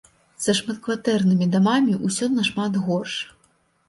Са шматкватэрнымі дамамі ўсё нашмат горш.